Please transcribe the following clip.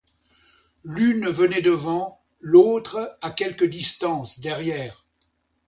L'une venait devant, l'autre, à quelque distance, derrière.